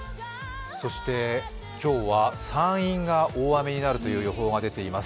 そして今日は山陰が大雨になるという予報が出ています。